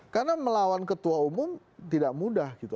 karena melawan ketua umum tidak mudah gitu